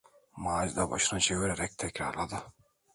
Macide başını çevirerek tekrarladı: